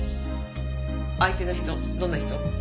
相手の人どんな人？